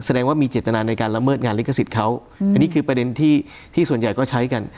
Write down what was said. แสดงว่ามีเจตนาในการละเมิดงานลิขสิทธิ์เขาอันนี้คือประเด็นที่ที่ส่วนใหญ่ก็ใช้กัน